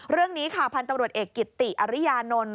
เรื่องนี้ค่ะพันธุ์ตำรวจเอกกิตติอริยานนท์